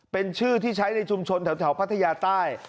เป็นชื่อที่ใช้ในชุมชนแถวพัทยาใต้